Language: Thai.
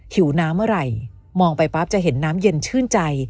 หิวน้ำเมื่อไหร่มองไปปั๊บจะเห็นน้ำเย็นชื่นใจ